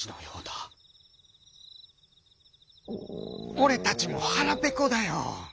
「おれたちもはらぺこだよ」。